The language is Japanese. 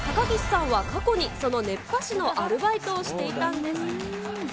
高岸さんは過去にその熱波師のアルバイトをしていたんです。